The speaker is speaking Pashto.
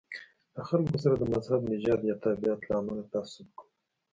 له خلکو سره د مذهب، نژاد یا تابعیت له امله تعصب کوو.